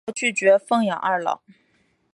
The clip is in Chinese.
双桃拒绝奉养二老。